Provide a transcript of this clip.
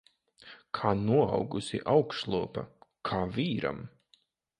Kā noaugusi augšlūpa. Kā vīram.